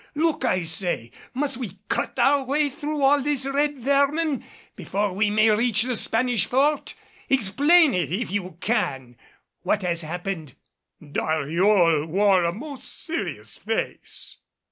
Look, I say! Must we cut our way through all this red vermin before we may reach the Spanish Fort? Explain it, if you can. What has happened?" Dariol wore a most serious face.